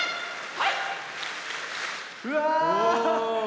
はい。